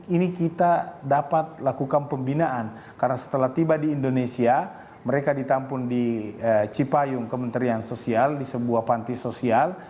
ini kita dapat lakukan pembinaan karena setelah tiba di indonesia mereka ditampun di cipayung kementerian sosial di sebuah panti sosial